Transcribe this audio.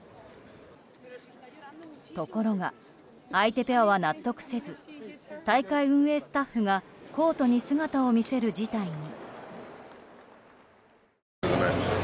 ところが、相手ペアは納得せず大会運営スタッフがコートに姿を見せる事態に。